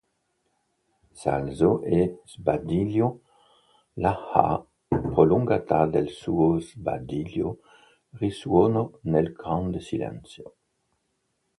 S'alzò e sbadigliò: l'ahaa – prolungata del suo sbadiglio risuonò nel grande silenzio.